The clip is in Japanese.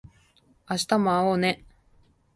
明日も会おうね